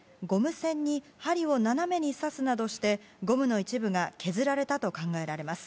栓に針を斜めに刺すなどしてゴムの一部が削られたと考えられます。